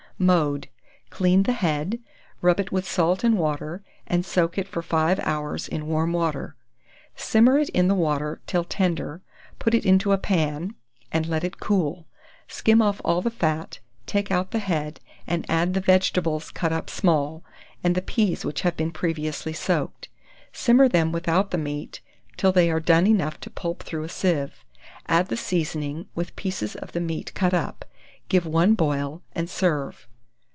Mode. Clean the head, rub it with salt and water, and soak it for 5 hours in warm water. Simmer it in the water till tender, put it into a pan and let it cool; skim off all the fat; take out the head, and add the vegetables cut up small, and the peas which have been previously soaked; simmer them without the meat, till they are done enough to pulp through a sieve. Add the seasoning, with pieces of the meat cut up; give one boil, and serve.